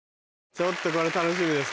ちょっとこれ楽しみです